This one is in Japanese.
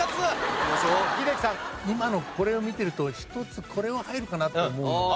今のこれを見てると１つこれは入るかなと思うものが。